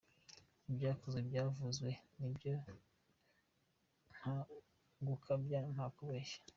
Ibyakozwe byavuzwe, nibyo nta gukabya, nta kubeshya.